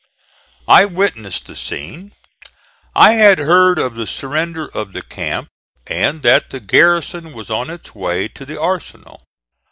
I witnessed the scene. I had heard of the surrender of the camp and that the garrison was on its way to the arsenal.